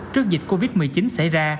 trước dịch covid một mươi chín xảy ra